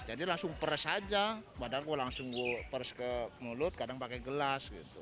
jadi langsung peres aja padahal gue langsung peres ke mulut kadang pakai gelas gitu